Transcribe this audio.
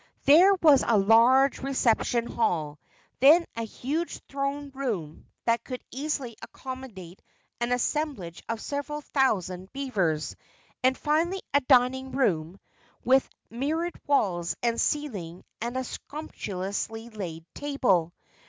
There was a large reception hall, then a huge throne room that could easily accommodate an assemblage of several thousand beavers, and finally a dining room with mirrored walls and ceiling and a sumptuously laid table.